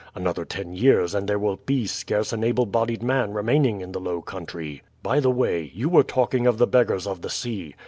Another ten years and there will be scarce an able bodied man remaining in the Low Country. By the way, you were talking of the beggars of the sea.